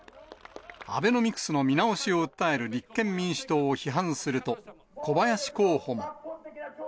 アベノミクスの見直しを訴える立憲民主党を批判すると、小林候補も。